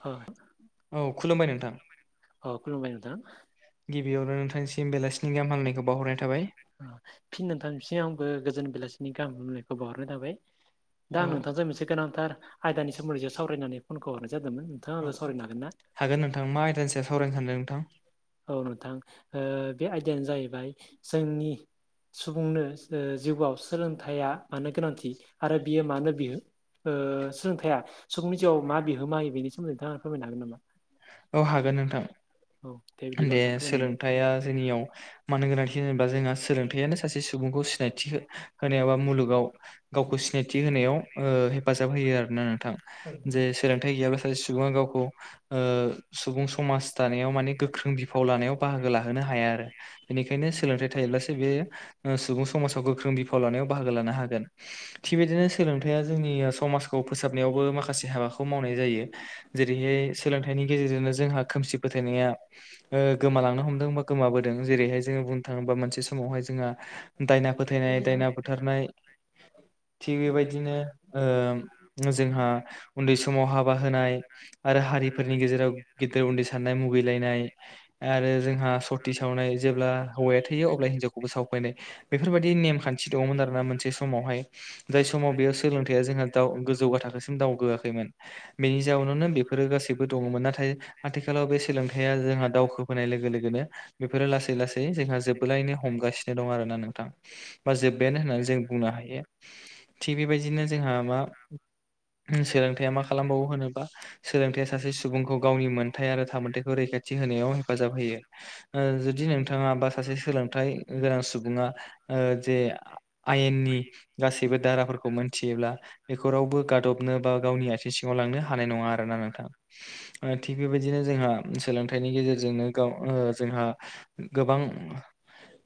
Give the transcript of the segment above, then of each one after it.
अ औ खुलुमबाय नोंथां। औ खुलुमबाय नोंथां। गिबियावनो नोंथांनिसिम बेलासिनि गाहाम हामलायनायखौ बावहरनाय थाबाय [unintelligible] फिन नोंथांनिसिम आंबो गोजोन बेलासिनि गाहाम हामलायनायखौ बाउहरनाय थाबाय। दा औ आं नोंथांजों मोनसे गोनांथार आयदानि सोमोन्दैसो सावरायनानै फनखौ हरनो जादोंमोन नोंथाङा सावरायनो हागोन ना हागोन नोंथां मा आयदानि सायाव सावरायनो सानदों नोंथां औ नोंथां ओ बे आयदायानो जाहैबाय जोंनि [inaudible] ओ सोलोंथाया सनि जिउआव मा बि होमाहोयो बेनि सोमोन्दै नोंथाङा फोरमायनो औ हागोन नोंथां नामा औ बिदिब्ला दे नोंथां सोलोंथाइया जोंनियाव मानो गोनांथि होनोबा जोंहा सोलोंथाइयानो सासे सुबुंखौ सिनायथि होनायाव बा मुलुगाव गावखौ सिनायथि होनायाव ओ हेफाजाब होयो आरोना नोंथां। औ। [unintelligible] गैया सासे सुबुङा गावखौ ओ सुबुं समाज दानायाव माने गो गोख्रों बिफाव लानायाव बाहागो लाहोनो हाया आरो। फोरमायनानै बेनिखायनो सोलोंथाइ थायोब्लासो बे ओ सुबुं समाजाव गोख्रों बिफाव लानायाव बाहागो लानो हागोन। थिग बेदिनो सोलोंथाइया जोंनि ओ समाजखौ फोसाबनायावबो माखासे हाबाखौ खौ मावनाय जायो जेरैहाय सोलोंथाइनि गेजेरजोंनो जोंहा खोमसि फोथायनाया ओ दायना गोमालांनो हमदों बा गोमाबोदों जेरैहाय जोङो बुंनो थाङोबा मोनसे समावहाय जोंहा दायना फोथायनाय दायना बुथारनाय थिग बेबायदि बेबायदिनो जोंहा जोंहा ओ जोंहा उन्दै समाव हाबा होनाय आरो हारिफोरनि गेजेराव गेदेर उन्दै साननाय मुगैलायनाय आरो जोंहा सत सावनाय जेब्ला हौवाया थैयो अब्ला हिनजावखौबो सावफैनाय बेफोरबायदि नेमखान्थि दङमोन आरोना मोनसे समावहाय जाय समाव बेयाव सोलोंथाइया जोंहा दाव गोजौगा थाखोसिम दावगोआखैमोन बेनि जाउनावनो बेफोरो गासैबो दङमोन नाथाय आथिखालाव बे सोलोंथाइया जोंहा दावखोबोनाय लोगो लोगोनो बेफोरो लासै लासै जोंहा जोबबोलायनो हमगासिनो दं आरोना नोंथां बा जोबबायानो होननानै जों बुंनो हाय यो थिग बेबायदिनो जोंहा मा सोलों थाया मा खालामबावो होनोबा सोलोंथाइया सासे सुबुंखौ गावनि मोन्थाय आरो थामोन्थायखौ रैखाथि होनायाव हेफाजाब होयो ओ जुदि नोंथाङा बा सासे सोलोंथाइ गोनां सुबुङा ओ जे आयेननि गासैबो दाराफोरखौ मोनथियोब्ला बेखौ रावबो गादब नो बा गावनि आथिं सिंआव लांनो हानाय नोङा आरोना नोंथां ओ थिग बेबायदिनो जोंहा सो थाइनि गेजेरजोंनो गाव ओ जोंहा गोबां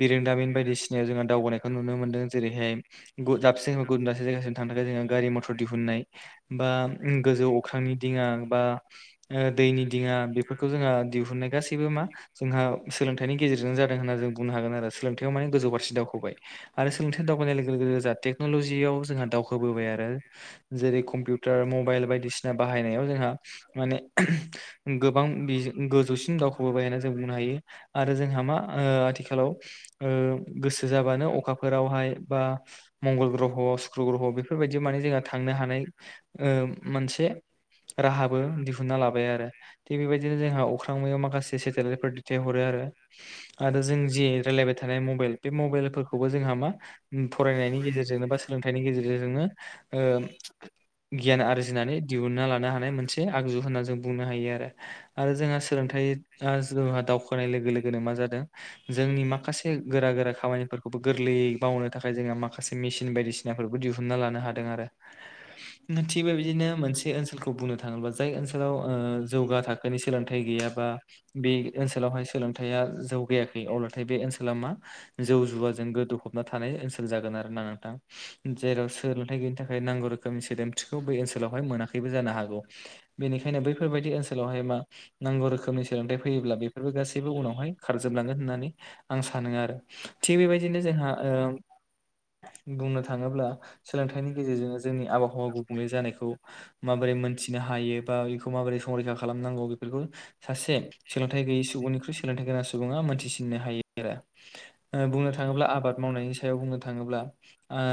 बिरोंदामिन बायदिसिनायाव जोंहा दावगानायखौ नुनो मोनदों जेरैहाय गु दाबसे गुबुन दाबसे जायगासिम थांनो थाखाय जोंहा गारि मथर दिहुननाय बा गोजौ अख्रांनि दिङा बा ओ दैनि दिङा बेफोर जों गबाय आरो सोलोंथाइ दावगानाय लोगो लोगो जोंहा टेक्न'लजियाव जोंहा दावखोबोबाय आरो जेरै कम टार, मबाइल बायदिसिना बाहायनायाव जोंहा माने उम गोब गोबां बिजों गोजौसिन दावखौबो बायो होननानै जों बुंनो हायो आरो जोंहा मा ओ आथिखालाव ओ गोसो जाबानो अखाफोरावहाय बा मंगल ग्रह', सुक्र ग्रह बेफोरबायदि माने जोंहा थांनो हानाय ओ मोनसे राहाबो दिहुन्ना लाबाय आरो‌। थिग बेबायदिनो जोंहा अख्रां मायाव माखासे सेटेलाइटफोर दैथायहरो आरो। आरो जों जे रायलायबाय थानाय मबाइल बे मबाइलफोरखौबो जोंहा मा उम फरायनायनि गेजेरजोंनो बा सोलोंथाइनि गेजेर जेरजोंनो ओ गियान आरजिनानै दिहुन्ना लानो हानाय मोनसे आगजु होनना जों बुंनो हायो आरो। आरो जोंहा सोलोंथाइआ जोंहा दावखोनाय लोगो लोगोनो मा जादों जोंनि माखासे गोरा गोरा खामानिफोरखौबो गोरलैयै मावनो था खाय जोंहा माखासे मेसिन बायदिसिनाफोरबो दिहुनना लानो हादों आरो। ओ थिग बे बिदिनो मोनसे ओनसोलखौ बुंनो थाङोब्ला जाय ओनसोलाव ओ जौगा बे सोलोंथाइ गैयाबा बे ओनसोलावहाय सोलोंथाइया जौगायाखै अब्लाथाय बे ओनसोला मा जौ जुवाजों गोदौ हबना थानाय ओनसोल जागोन आरोना नोंथां जेराव सोलोंथाइ गैयैनि था खाय नांगौ रोखोमनि सोदेमथिखौ बै ओनसोलावहाय मोनाखैबो जानो हागौ बेनिखायनो बैफोरबायदि ओनसो [unintelligible] गौ रोखोमनि सोलोंथाइ फैयोब्ला बेफोरबो गासैबो उनावहाय खारजोबलांगोन होननानै आं सानो आरो। थिग बेबायदिनो जोंहा ओ बुंनो थाङोब्ला सोलोंथाइनि गेजेरजोंनो जोंनि आबहावा गुबुंले जानायखौ माबोरै मोनथिनो हायो बा बेखौ माबोरै संरैखा खा खालामनांगौ बेफोरखौ सासे सोलोंथाइ गैयै सुबुंनिख्रुइ सोलोंथाइ गोनां सुबुङा मोनथिसिननो हायो ओरा ओ बुंनो थाङोब्ला आबाद मावनायनि सायाव बुंनो थाङोब्ला [inaudible] खौ मा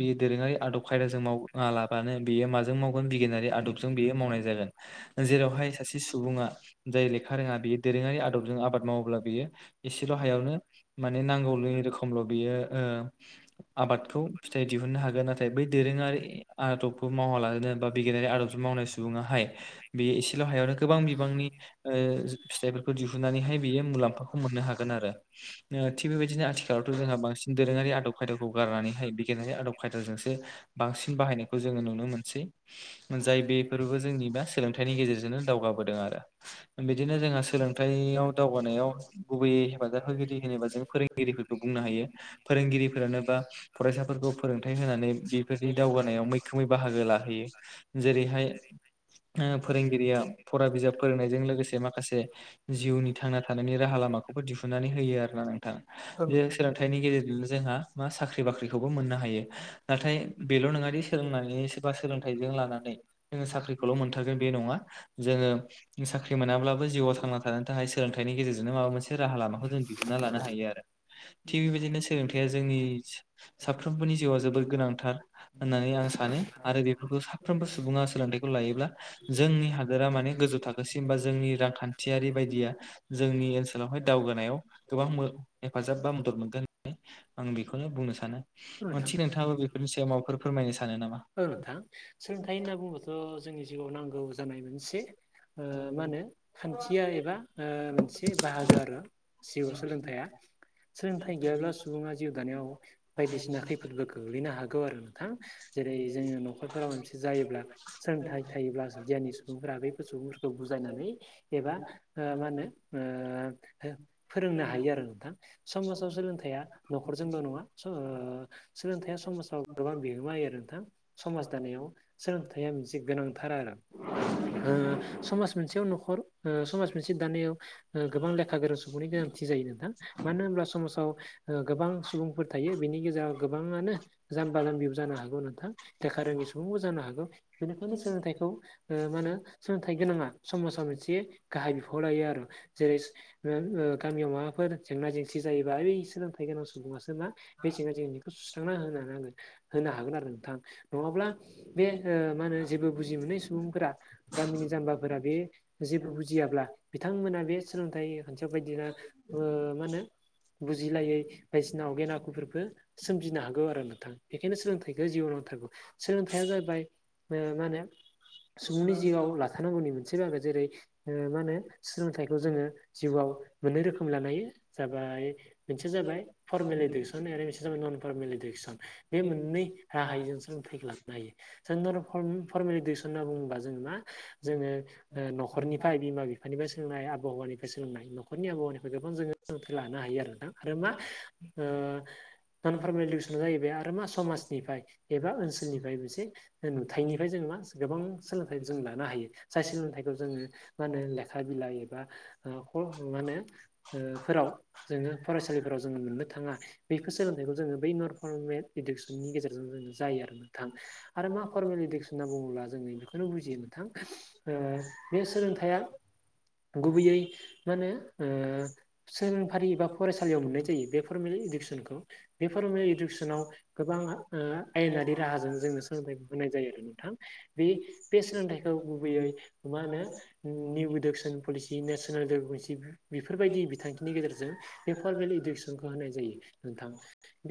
बियो दोरोङारि आदब खायदाजों मावा लाबानो बेयो माजों माव मोन बिगिनारि आदबजों बेयो मावनाय जागोन। जेरावहाय सासे सुबुङा जाय लेखा रोङा बेयो दोरोङारि आदबजों आबाद मावोब्ला बियो एसेल' हायावनो माने नांगौल' एरोखोमल' बेयो ओ आबादखौ फिथाइ दिहुननो हागोन नाथाय बै दोरोङारि आदबखौ मावालावानो बा बिगिनारि आदबजों मावनाय सुबुङाहाय बेयो एसेल' हायावनो गोबां बिबांनि ओ जो फिथाइफोरखौ दिहुननानैहाय बेयो मुलाम्फाखौ मोननो हागोन आरो। ओ थिग बेबायदिनो आथिखालावथ' जोंहा बांसिन दोरोङारि आदब खायदाखौ गारनानैहाय बिगिनारि आदब खायदाजोंसो बांसिन बाहायनायखौ जोङो नुनो मोनसै जाय बेफोरबो जोंनि दा सोलोंथाइनि गेजेरजोंनो दावगाबोदों आरो बिदिनो जोंहा सोलों थायाव दावगानायाव गुबैयै हेफाजाब होगिरि होनोबा जों फोरोंगिरिफोरखौ बुंनो हायो। फोरोंगिरिफोरानो बा फरायसाफोरखौ फोरोंथाइ होनानै बेफोरनि दावगानायाव मैखोमै बाहागो लाहोयो। जेरैहाय ओ फोरोंगिरिया फरा बिजाब फोरोंनायजों लोगोसे माखासे जिउनि थांना थानायनि राहा लामाखौबो दिहुननानै होयो आरोना नोंथां। बे सोलोंथाइनि गेजेरजोंनो जोंहा मा साख्रि बाख्रिखौबो मोननो हायो। नाथाय बेल' नङादि सोलोंनानै सोरबा सोलोंथाइजों लानानै जोङो साख्रिखौल' मोन थारगोन बे नङा जोङो साख्रि मोनाब्लाबो जिउआव थांना थानो थाखाय सोलोंथाइनि गेजेरजोंनो माबा मोनसे राहा लामाखौ जों दिहुनना लानो हायो आरो। थिग बेबायदिनो सोलोंथाइया जोंनि साफ्रोमबोनि जिउआ जोबोद गोनांथार होननानै आं सानो आरो बे फोरखौ साफ्रोमबो सुबुङा सोलोंथाइखौ लायोब्ला जोंनि हादोरा माने गोजौ थाखोसिम बा जोंनि रांखान्थियारि बायदिया जोंनि ओनसोलावहाय दावगानायाव गोबां मो हेफाजाब बा मदद मोनगोन होननानै आं बेखौनो बुंनो सानो। मोन नोंथां थिग नोंथाङाबो बेफोरनि सायाव माबाफोर फोरमायनो सानो नामा? औ नोंथां सोलोंथाइ होनना बुङोबाथ' जोंनि जिउआव नांगौ जानाय मोनसे ओ मा होनो खान्थिया एबा ओ मोनसे बाहागो आरो जिउआव सोलोंथाइया। सोलोंथाइ गैयाब्ला सुबुङा जिउ दानायाव बायदिसिना खैफोदबो गो-गोग्लैनो हागौ आरो नोंथां जेरै जोङो न'खरफोराव मोनसे जायोब्ला सोलोंथाइ थायोब्लासो गियानि सुबुंफोरा बै खौ बुजायनानै एबा मा होनो ओ फोरोंनो हायो आरो नोंथां समाजाव सोलोंथाइया न'खरजोंल' नंङा स सोलोंथाइया समाजाव गोबां बिहोमायो आरो नोंथां समाज दानायाव सोलोंथाइया मोनसे गोनांथार आरो समाज मोनसेयाव न'खर समाज मोनसे दानायाव गोबां लेखा गोरों सुबुंनि गोनांथि जायो नोंथां मानो होनब्ला समाजाव गोबां सुबुं बियो बेनि गेजेराव गोबाङानो जाम्बा जाम्बिबो जानो हायो नोंथां लेखा रोङि सुबुंबो जानो हागौ बेनिखायनो सोलोंथाइखौ मा होनो सोलोंथाइ गोनांङा समाजा मोनसे गाहाय बिफाव लायो आरो जेरै- गामियाव माबाफोर जेंना जेंसि जायोबा सोलोंथाइ गोनां सुबुङासो मा बेसेङाव जों बेखौ सुस्रांना होनो नांगोन होनो हागोन आरो नोंथां नङाब्ला बे ओ मा होनो जेबो बुजि मोनै सुबुंफोरा गामिनि जाम्बाफोरा बे जेबो बुजियाब्ला बिथांमोना बे सोलोंथाइ ओ [unintelligible] बायदिना ओ मा होनो बुजिलायै बायदिसिनाव गेना फोरबो सोमजिनो हागौ आरो नोंथां बेनिखायनो सोलोंथाइखौ जिउआव नांथारगौ सोलोंथाइया जाबाय मा होनो सुबुंनि जिउआव लाथानांगौनि मोनसे बागो जेरै मा होनो सोलोंथाइखौ जोङो जिउआव मोननै रोखोम लानो हायो जाबाय मोनसेया जाबाय फर्मेल इडुकेसन आरो जाबाय नन फारमेल इडुकेसन बे मोननै राहायजों जों सोलोंथाइखौ लाबनोहायो जों फरमेलि [unintelligible] सन होनना बुङोबा जोङो मा जोङो ओ न'खरनिफ्राय बिमा बिफानिफ्राय सोलोंनाय आबहावानिफ्राय सोलोंनाय नखरनि आबहावानिफ्राय गोबां जोङो लानो हायो आरो नोंथां आरो मा ओ नान फरमेल इडुकेसना जाहैबाय आरो मा समाजनिफ्राय एबा ओनसोलनिफ्राय मोनसे नुथायाइनिफ्राय जों मा गोबां सोलोंथाइ जों लानो हायो जाय सोलोंथाइखौ जोङो मा होनो लेखा बिलाइ एबा ओ [unintelligible] मा होनो फोराव जोङो फरायसालिफोराव जोङो मोननो थाङा बेफोर सोलोंथाइखौ जोङो बै नरफरमेल इडुकेसननि गेजेरजों जोङो जायो आरो नोंथां आरो मा फरमेल इद [unintelligible] होनना बुंब्ला जोंङो बेखौनो बुजियोनोंथां बे सोलोंथाया गुबैयै मा होनो ओ सोलोंफारि बा फरायसालियाव मोननाय जायो बेफो फर्मेल इडुकेसनखौ बे फरमेल इडुकेसनाव गोबां ओ आयेनारि राहाजों जोंनो सोलोंथाइखौ होनाय जायो आरो नोंथां बे बे सोलोंथाइखौ गुबैयै मा होनो निउ इडुकेसन पलिसि नेसनेल [unintelligible] सि बेफोरबायदि बिथांखिनि गेजेरजों बे फरमेल इडुकेसनखौ होनाय जायो नोंथां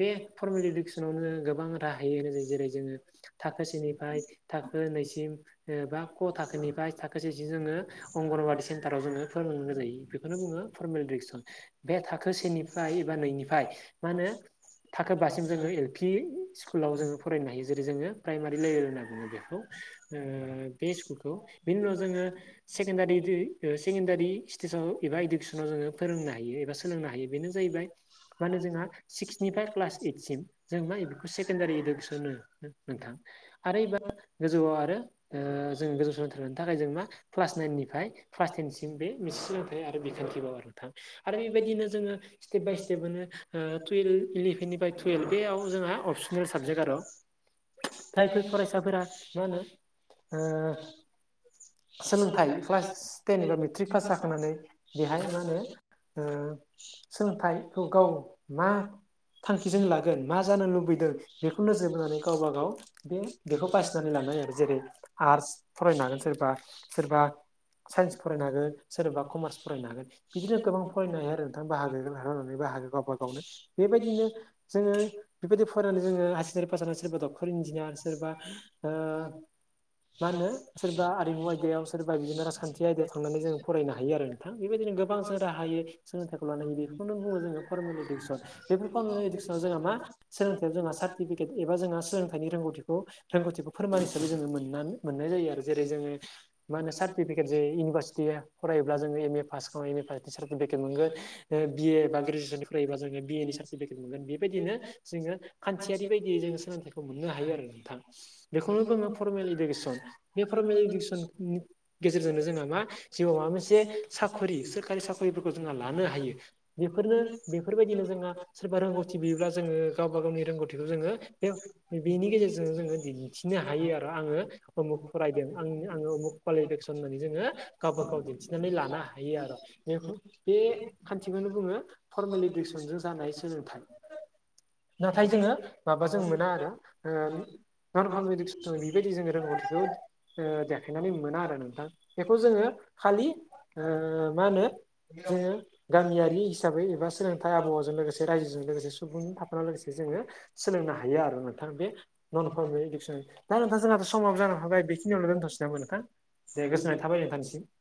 बे फरमेल इडुकेसनावनो गोबां राहा हायो होननाय जायो जेरै जोङो थाखोसेनिफ्राय थाखो नैसिम बा क' थाखोनिफ्राया थाखो सेसिम जोङो अंगनबादि सेन्टाराव जोङो [unintelligible] मोन जायो बेखौनो बुङो फरमेल इडुकेसन बे थाखो सेनिफ्राय एबा नैनिफ्राय मा होनो थाखोबासिम जोङो एल पि स्कुलाव जोङो फरायनो हायो जेरै जोङो प्राइमारि लेभेल होनना बुङो बेखौ ओ बे स्कुलखौ बिनि उनाव जोङो सेकेन्डारि [unintelligible] सेकेन्डारि स्टिसाव एबा इडुकेसनाव जोङो फोरोंनो हायो एबा सोलोंनो हायो बेनो जाहैबाय मानो होनो जोंहा सिक्सनिफ्राय क्लास ओइटसिम जों मा बेखौ सेकेण्डारि इडुकेसन होनो नोंथां आरो एबा गोजौआव आरो ओ जोङ गोजौ सोलोंथाइ लानो थाखाय जों मा क्लास नाइननिफ्राय क्लास टेनसिम बे मोनसे सोलोंथाइ आरो बिखान्थि बाव आरो नोंथां आरो बेबायदिनो जोङो स्टेप बाय स्टेपनो टुवेल्भ इलेभेननिफ्राय टुयेल्भ बेयाव जोंहा अपसनेल साबजेक्ट आर जायफोर फरायसाफोरा मा होनो ओ सोलोंथाइ क्लास टेन एबा मेट्रिक पास जाखांनानै बेहाय मा होनो ओ सोलोंथाइखौ गाव मा थांखिजों लागोन मा जानो लुबैदों बेखौ नोजोर बोनानै गावबा गाव बे बेखौ बासिना लानाय आरो जेरै आर्टस फरायनो हागोन सोरबा सोरबा साइन्स फरायनो हागोन सोरबा कमार्स फरायनो हागोन बिदिनो गोबां फरायनो हायो आरो नोंथां बाहागो [unintelligible] [unintelligible] गावबा गावनो बेबायदिनो जोङो बेबायदि फरायनानै जोङो हायार सेकेडारि पास जानानै सोरबा डक्टर इन्जिनियार सोरबा ओ मा होनो सोरबा आरिमु आयदायाव सोरबा बिदिनो राजखान्थि आयदायाव थांनानै जों फरायनो हायो आरो नों थां बेबायदिनो गोबां जों राहायै सोलोंथाइखौ लानाय हायो बेखौनो बुङो जोङो फरमेल इ [unintelligible] केसन बेफोरखौ [unintelligible] इडुकेसनाव जोंहा मा सोलोंथाइयाव जोंहा सार्टिफिकेट एबा जोंहा सोलोंथाइनि रोंगौथिखौ रोंगौथिखौ फोरमान हिसाबै जोङो मोननानै मोननाय जायो आरो जेरै जोङो मा होनो सार्टिफिकेट जे इउनिभारसिटिया फरायोब्ला जोङो एम ए पास खालामनानै एम ए पासनि सार्टिफिकेट मोनगोन बि ए बा ग्रेजुवेसन फरायोबा जोङो बि एनि सार्टिफिकेट मोनगोन बेबायदिनो जोङो खान्थियारि बायदियै जोङो सोलोंथाइखौ मोननो हायो आरो नोंथां। बेखौनो बुङो फरमेल इडुकेसन। बे फरमेल इडुकेसननि गेजेरजोंनो जोंहा मा जिउआव माबा मोनसे साखरि सोरखारि साखरिफोरखौ जोंना लानो हायो। बेफोरनो बेफोरबायदिनो जोंहा सोरबा रोंगौथि नुयोब्ला जोङो गावबा गावनि रोंगौथिखौ जोङो [unintelligible] बेनि गेजेरजों जोङो दिन्थिनो हायो आरो आङो उमुक फरायदों आं आङो उमुख कुवालिफिकेसन होननानै जोङो गावबा गाव दिन्थिनानै लानो हायो आर बेखौ बे खान्थिखौनो बुङो फर्मेल इडुकेसनजों जानाय सोलोंथाइ नाथाय जोङो माबा जों मोना आरो ओ नन फर्मेल इदुकेसन बेबायदि जों रोंगौथिखौ ओ देखायनानै मोना आरो नोंथां बेखौ जोङो खालि ओ मा होनो जोङो गामियारि हिसाबै एबा सोलोंथाइ आबहावाजों लोगोसे रायजोजों लोगोसे सुबुंजों थाफानानै लोगोसे जोङो सोलोंनो हायो आरो नोंथां बे नन फरमेल इडुकेसन दा नोंथां जोंहाथ' समाबो जाना फैबाय बेखिनियावनो दोनथ'सै नामा नोंथां। दे गोजोन्नाय थाबाय नोंथांनिसिम